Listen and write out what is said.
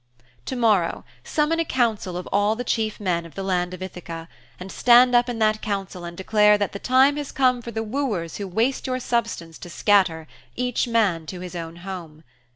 'To morrow summon a council of all the chief men of the land of Ithaka, and stand up in that council and declare that the time has come for the wooers who waste your substance to scatter, each man to his own home.